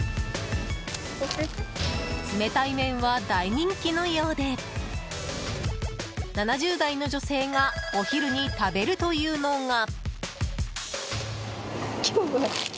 冷たい麺は大人気のようで７０代の女性がお昼に食べるというのが。